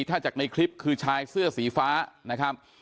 ถ้าจากในคลิปคือชายเสื้อสีฟ้านะครับ